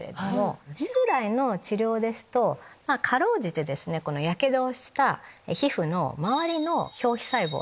従来の治療ですと辛うじてヤケドをした皮膚の周りの表皮細胞。